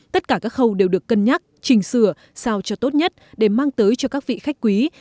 tất cả các khâu đều được cân nhắc chỉnh sửa sao cho tốt nhất để mang tới cho các vị khách quý